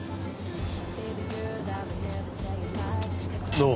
どう？